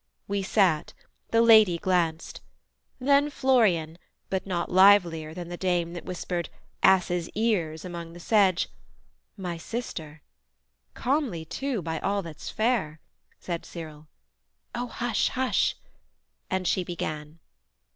We sat: the Lady glanced: Then Florian, but not livelier than the dame That whispered 'Asses' ears', among the sedge, 'My sister.' 'Comely, too, by all that's fair,' Said Cyril. 'Oh hush, hush!' and she began.